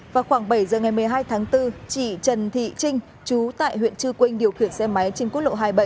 vào khoảng bảy giờ ngày một mươi hai tháng bốn chị trần thị trinh trú tại huyện chư quynh điều khiển xe máy trên quốc lộ hai mươi bảy